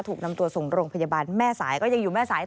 ถูกนำตัวส่งโรงพยาบาลแม่สายก็ยังอยู่แม่สาย